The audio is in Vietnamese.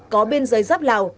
có biên giới giáp lào